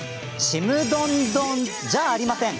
「ちむどんどん」じゃありません。